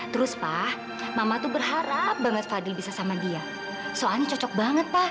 terus pak mama tuh berharap banget fadli bisa sama dia soalnya cocok banget pak